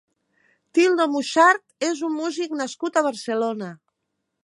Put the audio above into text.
Tildo Muxart és un músic nascut a Barcelona.